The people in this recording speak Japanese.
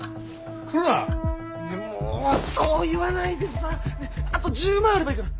もうそう言わないでさあと１０万あればいいから。